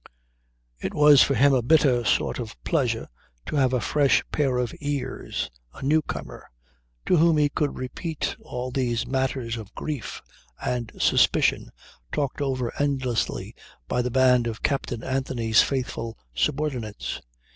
It was for him a bitter sort of pleasure to have a fresh pair of ears, a newcomer, to whom he could repeat all these matters of grief and suspicion talked over endlessly by the band of Captain Anthony's faithful subordinates.